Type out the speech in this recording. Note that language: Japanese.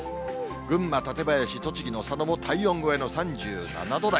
群馬・館林、栃木の佐野も体温超えの３７度台。